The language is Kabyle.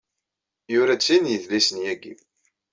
Yura-d sin n yidlisen yagi.